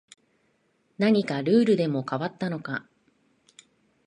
何かルールでも変わったのか